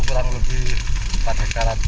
itu kurang lebih empat hektara